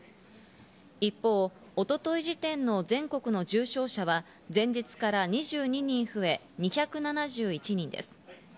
一方、一昨日時点の全国の重症者は前日から２２人増え２７１人です。